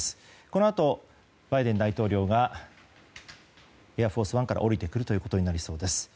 このあとバイデン大統領が「エアフォースワン」から降りてくることになりそうです。